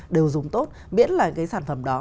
đều dùng tốt miễn là cái sản phẩm đó